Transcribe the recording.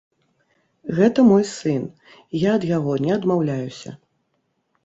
Гэта мой сын, я ад яго не адмаўляюся.